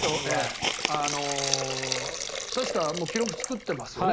確か記録を作ってますよね。